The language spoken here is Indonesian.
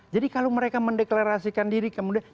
jadi kalau mereka mendeklarasikan diri kemudian